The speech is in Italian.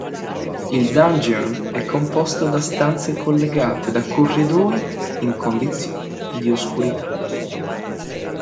Il dungeon è composto da stanze collegate da corridoi in condizioni di oscurità.